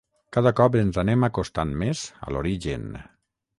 Cada cop ens anem acostant més a l’origen.